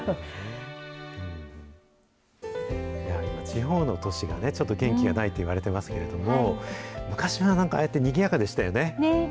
地方の都市がね、ちょっと元気がないといわれてますけれども、昔はなんかああやって、にぎやかでしたよね。